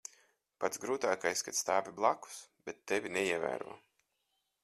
Pats grūtākais - kad stāvi blakus, bet tevi neievēro.